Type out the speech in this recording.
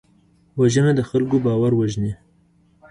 وژنه د خلکو باور وژني